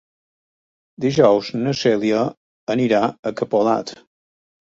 Dijous na Cèlia anirà a Capolat.